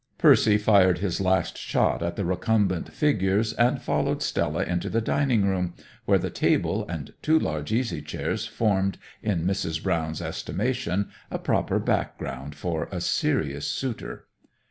Percy fired his last shot at the recumbent figures, and followed Stella into the dining room, where the table and two large easy chairs formed, in Mrs. Brown's estimation, a proper background for a serious suitor.